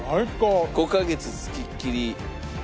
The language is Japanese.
５カ月付きっきり。